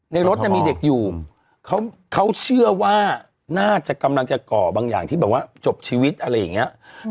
รถเนี่ยมีเด็กอยู่เขาเชื่อว่าน่าจะกำลังจะก่อบางอย่างที่แบบว่าจบชีวิตอะไรอย่างนี้